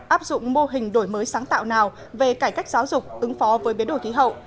áp dụng mô hình đổi mới sáng tạo nào về cải cách giáo dục ứng phó với biến đổi thí hậu